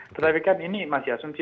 tetapi kan ini masih asumsi